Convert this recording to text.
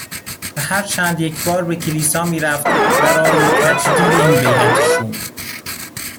و هر چند یک بار به کلیسا می رفت برای تجدید این بیعت شوم.